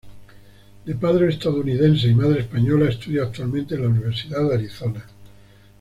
De padre estadounidense y madre española, estudia actualmente en la Universidad de Arizona.